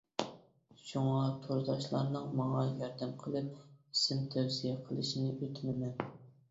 شۇڭا تورداشلارنىڭ ماڭا ياردەم قىلىپ ئىسىم تەۋسىيە قىلىشىنى ئۆتۈنىمەن.